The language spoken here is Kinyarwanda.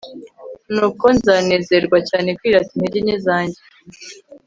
Nuko nzanezerwa cyane kwirata intege nke zanjye